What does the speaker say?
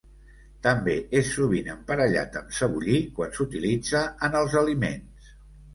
També és sovint emparellat amb cebollí quan s'utilitza en els aliments.